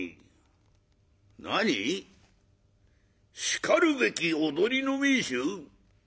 しかるべき踊りの名手？